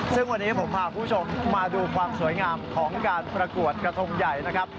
ซึ่งวันนี้ผมพาคุณผู้ชมมาดูความสวยงามของการประกวดกระทงใหญ่นะครับ